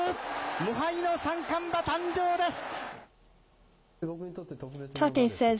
無敗の三冠馬誕生です。